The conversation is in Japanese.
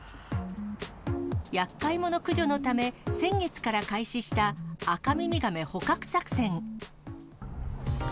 やっかい者駆除のため、先月から開始したアカミミガメ捕獲作戦。